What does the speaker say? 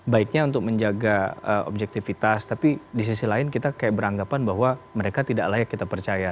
baiknya untuk menjaga objektivitas tapi di sisi lain kita kayak beranggapan bahwa mereka tidak layak kita percaya